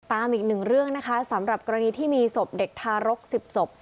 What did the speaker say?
อีกหนึ่งเรื่องนะคะสำหรับกรณีที่มีศพเด็กทารก๑๐ศพ